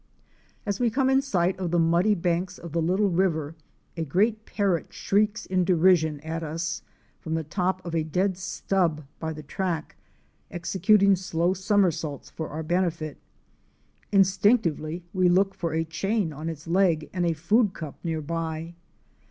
As we come in sight of the muddy banks of the little river, a great Parrot shrieks in derision at Fic. 28. SPIDER LILIES NEAR PircH LAKE. us from the top of a dead stub by the track, executing slow somersaults for our benefit. Instinctively we look for a chain on its leg and a food cup near by!